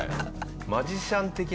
マジシャン的な。